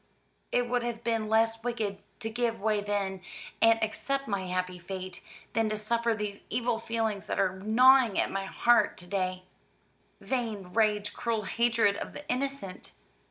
It would have been less wicked to give way then, and accept my happy fate, than to suffer these evil feelings that are gnawing at my heart to day vain rage, cruel hatred of the innocent!"